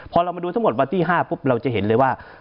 พอเรามาดูทั้งหมดวันที่๕ปุ๊บเราจะเห็นเลยว่า